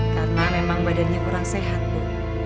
karena memang badannya kurang sehat bu